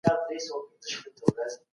پوهانو ويلي دي چي غير اقتصادي شرايط هم شته.